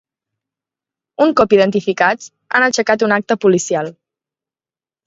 Un cop identificats, han aixecat una acta policial.